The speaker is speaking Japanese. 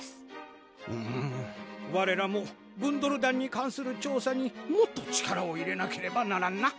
「うんわれらもブンドル団にかんする調査にもっと力を入れなければならんな」